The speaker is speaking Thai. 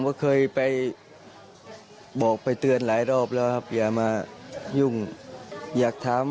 ก็เคยไปบอกไปเตือนหลายรอบแล้วครับอย่ามายุ่งอยากถาม